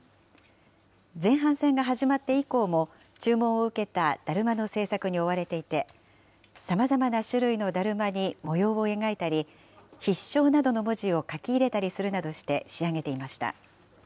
前半戦が始まって以降も、注文を受けただるまの製作に追われていて、さまざまな種類のだるまに模様を描いたり、必勝などの文字を書き入れたりするなどして、仕上げていました。